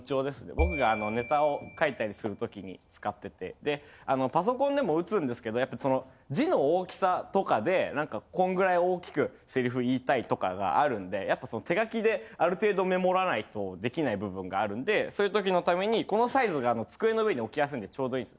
僕がネタを書いたりする時に使っててでパソコンでも打つんですけどやっぱその字の大きさとかで何かこんぐらい大きくセリフ言いたいとかがあるんでやっぱその手書きである程度メモらないとできない部分があるんでそういう時のためにこのサイズが机の上に置きやすいんでちょうどいいです。